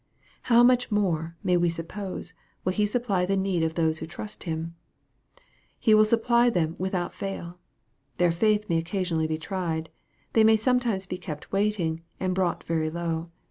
How much more, may we suppose, will He supply the need of those who trust Him ? He will supply them without fail. Their faith may occasionally be tried. They may sometimes be kept waiting, and be brought very low.